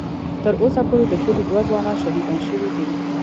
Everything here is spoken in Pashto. ـ تر اوسه پورې د کلي دوه ځوانان شهیدان شوي دي.